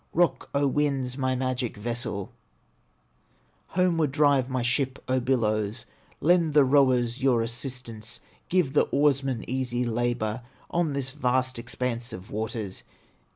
Rock, O winds, my magic vessel, Homeward drive my ship, O billows, Lend the rowers your assistance, Give the oarsmen easy labor, On this vast expanse of waters!